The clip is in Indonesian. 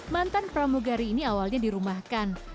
mantan pramugari ini awalnya dirumahkan